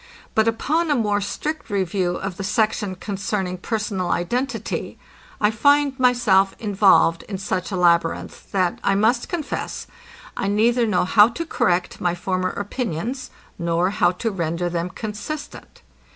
But upon a more strict review of the section concerning personal identity, I find myself involved in such a labyrinth, that, I must confess, I neither know how to correct my former opinions, nor how to render them consistent.